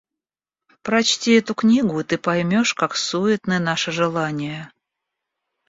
Прочти эту книгу, и ты поймешь, как суетны наши желания.